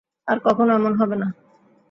আর কখনো এমন হবে না।